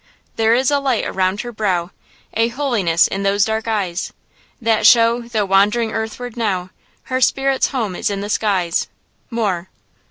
There is a light around her brow A holiness in those dark eyes, That show, though wandering earthward now, Her spirits home is in the skies. –MOORE.